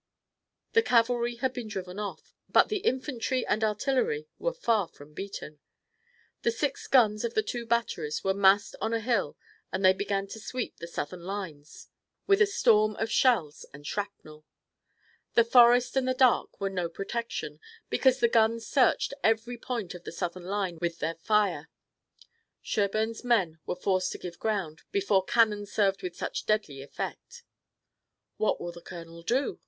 The cavalry had been driven off, but the infantry and artillery were far from beaten. The sixteen guns of the two batteries were massed on a hill and they began to sweep the Southern lines with a storm of shells and shrapnel. The forest and the dark were no protection, because the guns searched every point of the Southern line with their fire. Sherburne's men were forced to give ground, before cannon served with such deadly effect. "What will the colonel do?"